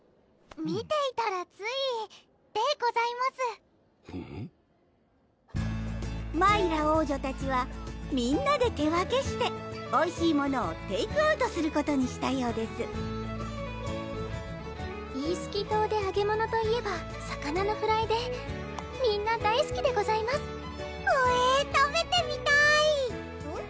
見ていたらついでございますマイラ王女たちはみんなで手分けしておいしいものをテークアウトすることにしたようですイースキ島であげ物といえば魚のフライでみんな大すきでございますほえ食べてみたいうん？